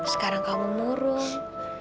sekarang kamu murung